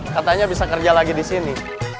katanya bisa kerja lagi di sini